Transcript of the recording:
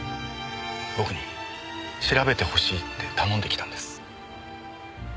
僕に調べてほしいって頼んできたんです。